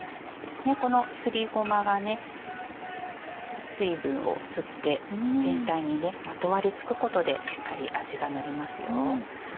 このすりごまがね水分を吸って全体にまとわり付くことでしっかり味がのりますよ。